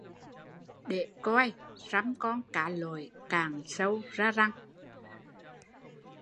Để coi răm con cá lội cạn sâu thế nào